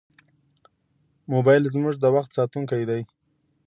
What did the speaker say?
موبایل زموږ د وخت ساتونکی دی.